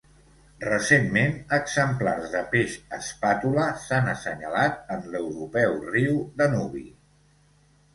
Recentment, exemplars de peix espàtula s'han assenyalat en l'europeu riu Danubi.